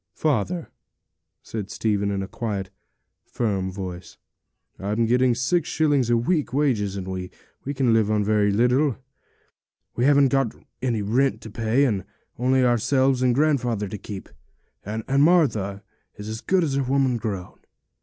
'Father,' said Stephen, in a quiet and firm voice, 'I'm getting six shillings a week wages, and we can live on very little. We haven't got any rent to pay, and only ourselves and grandfather to keep, and Martha is as good as a woman grown.